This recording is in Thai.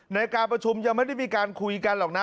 ในการประชุมยังไม่ได้มีการคุยกันหรอกนะ